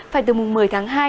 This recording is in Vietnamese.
phải từ mùng một mươi tháng hai